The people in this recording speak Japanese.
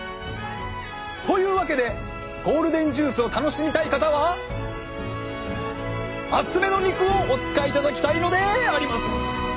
というわけでゴールデンジュースを楽しみたい方は厚めの肉をお使いいただきたいのであります！